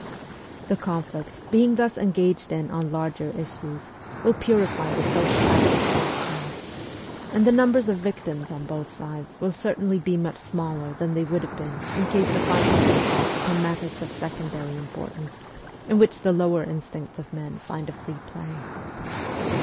The conflict, being thus engaged in on larger issues, will purify the social atmosphere itself ; and the numbers of victims on both sides will certainly be much smaller than they would have been in case the fight had been fought upon matters of secondary importance in which the lower instincts of men find a free play.